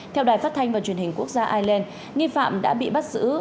theo đài phát thanh và truyền hình quốc gia ireland nghi phạm đã bị bắt giữ